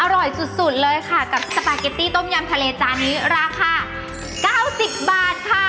อร่อยสุดเลยค่ะกับสปาเกตตี้ต้มยำทะเลจานนี้ราคา๙๐บาทค่ะ